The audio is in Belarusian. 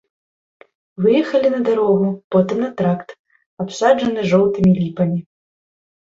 Выехалі на дарогу, потым на тракт, абсаджаны жоўтымі ліпамі.